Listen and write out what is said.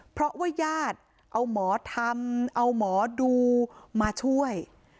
เพราะว่าญาติเอาหมอทำเอาหมอดูมาช่วย